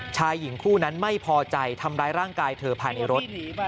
ชายหญิงคู่นั้นไม่พอใจทำร้ายร่างกายเธอภายในรถ